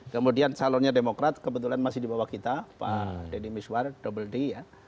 kemudian calonnya demokrat kebetulan masih di bawah kita pak deddy miswar double d ya